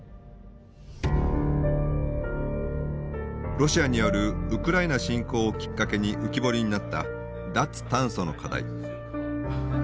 ロシアによるウクライナ侵攻をきっかけに浮き彫りになった脱炭素の課題。